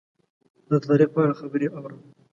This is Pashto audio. زه د تاریخ په اړه خبرې اورم.